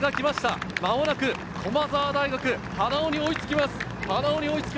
間もなく駒澤大学・花尾に追いつきます。